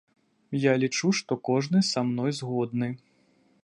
Я лічу, што кожны са мной згодны.